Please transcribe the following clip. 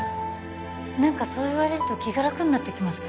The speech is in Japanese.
何かそう言われると気が楽になってきました